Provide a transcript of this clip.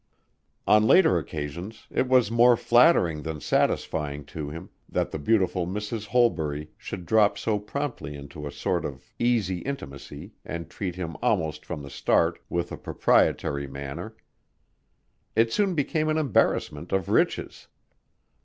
On later occasions it was more flattering than satisfying to him that the beautiful Mrs. Holbury should drop so promptly into a sort of easy intimacy and treat him almost from the start with a proprietary manner. It soon became an embarrassment of riches.